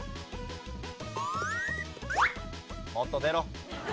もっと出ろ。